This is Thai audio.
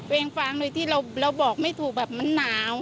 เองฟางโดยที่เราบอกไม่ถูกแบบมันหนาว